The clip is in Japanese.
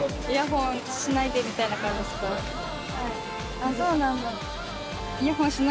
あそうなんだ。